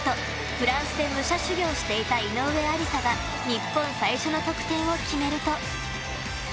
フランスで武者修行していた井上愛里沙が日本最初の得点を決めると。